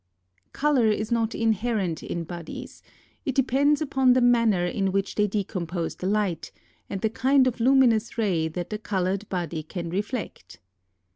10. Colour is not inherent in bodies ; it depends upon the man ner in which they decompose the light, and the kind of luminous ray that the coloured body can reflect.